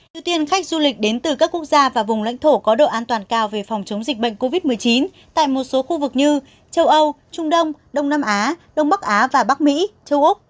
ưu tiên khách du lịch đến từ các quốc gia và vùng lãnh thổ có độ an toàn cao về phòng chống dịch bệnh covid một mươi chín tại một số khu vực như châu âu trung đông đông nam á đông bắc á và bắc mỹ châu úc